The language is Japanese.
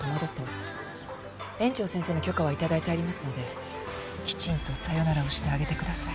園長先生の許可は頂いてありますのできちんとさよならをしてあげてください。